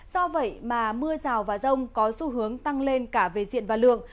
do vậy mà mưa rào và rông có xu hướng tăng lên cả về diện và lượng